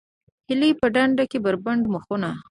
هیلۍ په ډنډ کې بربنډ مخونه